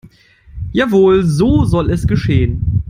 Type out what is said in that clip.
Jawohl, so soll es geschehen.